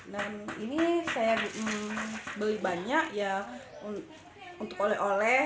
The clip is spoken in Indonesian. dan ini saya beli banyak ya untuk oleh oleh